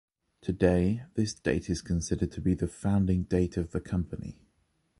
Today, this date is considered to be the founding date of the company.